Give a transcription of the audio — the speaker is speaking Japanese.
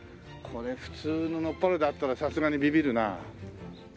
これ普通の野っ原で会ったらさすがビビるな。